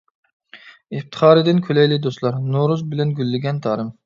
ئىپتىخاردىن كۈلەيلى دوستلار، نورۇز بىلەن گۈللىگەن تارىم.